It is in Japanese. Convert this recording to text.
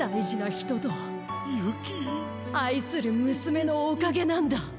あいするむすめのおかげなんだ。